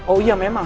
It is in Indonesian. oh iya memang